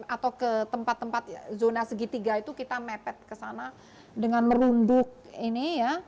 atau ke tempat tempat zona segitiga itu kita mepet ke sana dengan merunduk ini ya